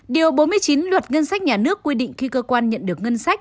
điều bốn mươi chín luật ngân sách nhà nước quy định khi cơ quan nhận được ngân sách